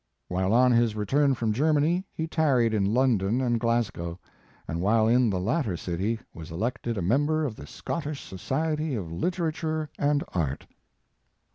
While on his return from Germany, he tarried in London and Glasgow, and while in the latter city was elected a member of the Scottish Society of Litera ture and Art.